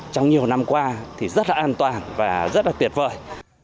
trong nhiều năm qua thì rất là an toàn và rất là tuyệt vời